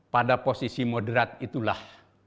pada posisi moderat itulah